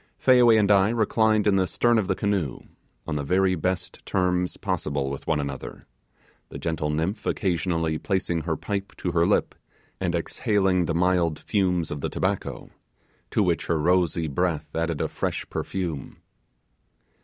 Fayaway and I reclined in the stern of the canoe, on the very best terms possible with one another; the gentle nymph occasionally placing her pipe to her lip, and exhaling the mild fumes of the tobacco, to which her rosy breath added a fresh perfume.